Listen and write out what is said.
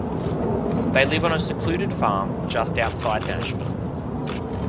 They live on a secluded farm just outside Nashville.